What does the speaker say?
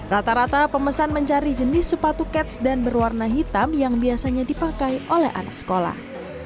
rata rata pemesan mencari jenis sepatu cats dan berwarna hitam yang biasanya dipakai oleh anak sekolah